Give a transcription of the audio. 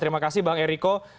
terima kasih bang errico